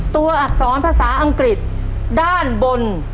อักษรภาษาอังกฤษด้านบน